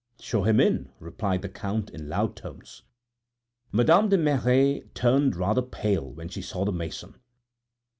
"Show him in," replied the Count in loud tones. Madame de Merret turned rather pale when she saw the mason.